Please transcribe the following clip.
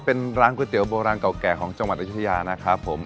เป็นร้านก๋วยเตี๋ยโบราณเก่าแก่ของจังหวัดอายุทยานะครับผม